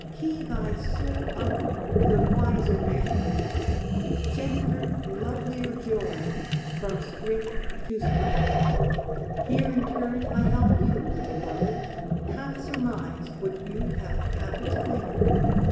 Key thy soul up to the wiser manhood, Gentler lovelier joy from spring to spring!" Here in turn I help you, little brother, Half surmise what you have half explained.